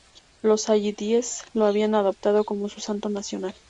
Los yazidíes lo habían adoptado como su santo nacional.